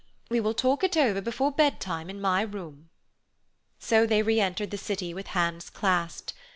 We will talk it over before bed time in my room." So they re entered the city with hands clasped.